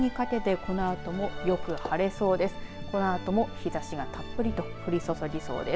このあとも日ざしがたっぷりと降り注ぎそうです。